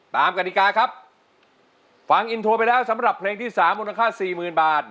ตามกฎิกาครับฟังอินโทรไปแล้วสำหรับเพลงที่๓มูลค่า๔๐๐๐๐บาท